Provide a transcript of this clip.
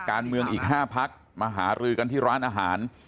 การเมืองอีก๕พักมาหารือกันที่ร้านอาหาร